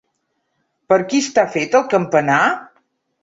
Per qui està fet el campanar?